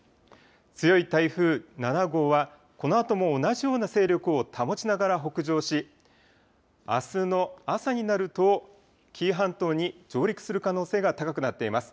強い台風７号は、このあとも同じような勢力を保ちながら北上し、あすの朝になると、紀伊半島に上陸する可能性が高くなっています。